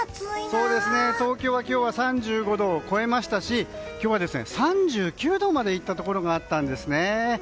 そうですね、東京は今日は３５度を超えましたし今日は３９度までいったところがあったんですね。